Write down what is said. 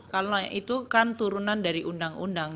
kalau itu kan turunan dari undang undang